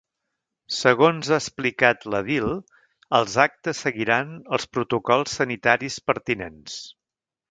Segons ha explicat l’edil, “els actes seguiran els protocols sanitaris pertinents”.